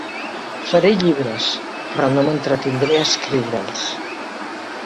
Faré llibres, però no m'entretindré a escriure'ls.